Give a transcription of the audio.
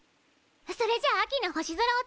それじゃあ秋の星空を作らない？